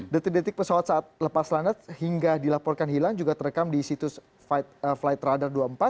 detik detik pesawat saat lepas landas hingga dilaporkan hilang juga terekam di situs flight radar dua puluh empat